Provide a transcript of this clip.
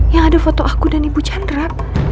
yang ada foto aku dan ibu chandra